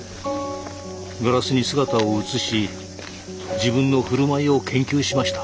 ガラスに姿を映し自分の振る舞いを研究しました。